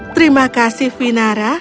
terima kasih vinara